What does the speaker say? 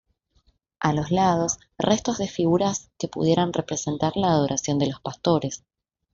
A los lados, restos de figuras que pudieran representar la Adoración de los Pastores.